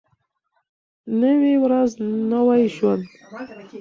نوی ورځ نوی ژوند.